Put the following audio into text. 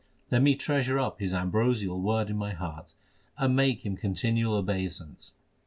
Let me treasure up his ambrosial word in my heart, and make him continual obeisance.